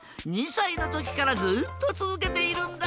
２さいのときからずっとつづけているんだ。